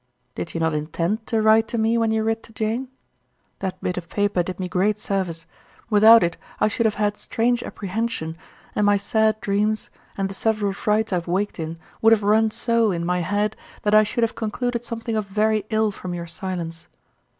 Did you not intend to write to me when you writ to Jane? That bit of paper did me great service; without it I should have had strange apprehension, and my sad dreams, and the several frights I have waked in, would have run so in my head that I should have concluded something of very ill from your silence.